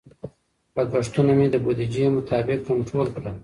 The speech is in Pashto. لګښتونه مې د بودیجې مطابق کنټرول کړل.